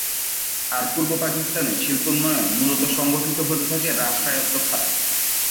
আর পূর্ব পাকিস্তানে শিল্পোন্নয়ন মূলত সংগঠিত হতে থাকে রাষ্ট্রায়ত্ত খাতে।